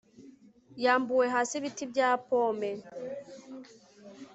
Yambuwe hasi ibiti bya pome